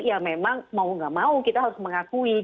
ya memang mau gak mau kita harus mengakui